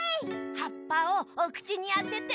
はっぱをおくちにあてて。